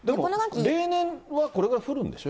でも例年はこれぐらい降るんでしょ。